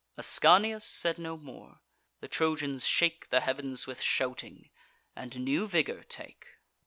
Ascanius said no more. The Trojans shake The heav'ns with shouting, and new vigour take.